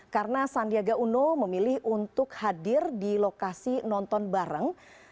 karena sandiaga uno memilih untuk hadir di lokasi nonton bareng